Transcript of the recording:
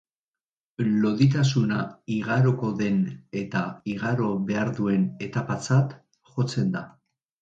Loditasuna igaroko den eta igaro behar duen etapatzat jotzen da.